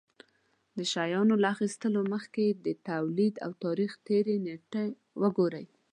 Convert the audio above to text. د شيانو له اخيستلو مخکې يې د توليد او تاريختېر نېټې وگورئ.